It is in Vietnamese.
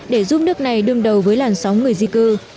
để làm sóng người di cư